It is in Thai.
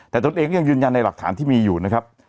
แต่ตนเองก็ยังยืนยันในหลักฐานที่มีอยู่นะครับ